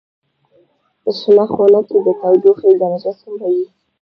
په شنه خونه کې د تودوخې درجه څومره وي؟